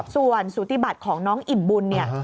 ส่วนสูติบัติของน้องอิ่มบุญเนี่ย